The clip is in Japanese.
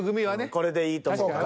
これでいいと思うから。